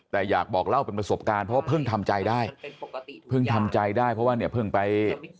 แต่อยากบอกเล่าเป็นประสบการณ์เพราะว่าเพิ่งทำใจได้เพิ่งทำใจได้เพราะว่าเนี่ยเพิ่งไป